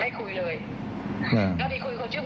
ไม่คุยเลย